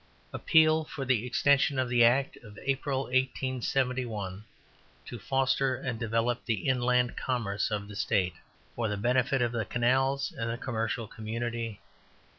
Appeal for the Extension of the Act of April, 1871, "to Foster and Develop the Inland Commerce of the State," FOR THE BENEFIT OF THE CANALS AND THE COMMERCIAL COMMUNITY.